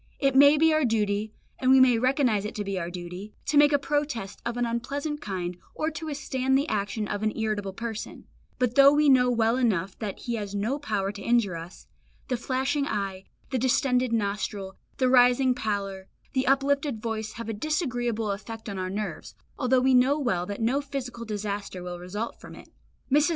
It may be our duty, and we may recognise it to be our duty, to make a protest of an unpleasant kind, or to withstand the action of an irritable person; but though we know well enough that he has no power to injure us, the flashing eye, the distended nostril, the rising pallor, the uplifted voice have a disagreeable effect on our nerves, although we know well that no physical disaster will result from it. Mrs.